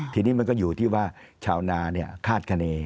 ทีนี้มันก็อยู่ที่ว่าชาวนาคาดคณี